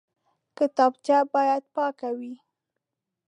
کتابچه باید پاکه وي